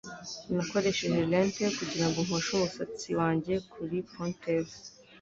Nakoresheje lente kugirango mposhe umusatsi wanjye kuri ponytail.